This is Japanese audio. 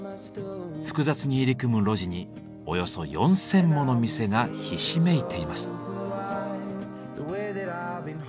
複雑に入り組む路地におよそ４，０００もの店がひしめいています。